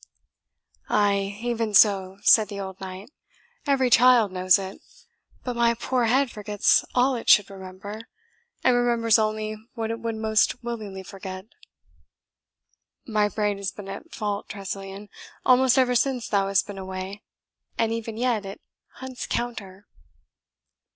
"Ay, even so," said the old knight; "every child knows it. But my poor head forgets all it should remember, and remembers only what it would most willingly forget. My brain has been at fault, Tressilian, almost ever since thou hast been away, and even yet it hunts counter."